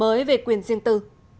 mới về quyền riêng tư